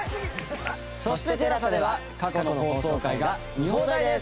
そしてＴＥＬＡＳＡでは過去の放送回が見放題です。